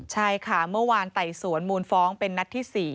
ใช่ค่ะเมื่อวานไต่สวนมูลฟ้องเป็นนัดที่๔